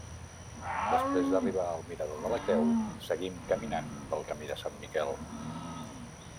Després d'arribar al mirador de la Creu, seguim caminant pel camí de Sant Miquel.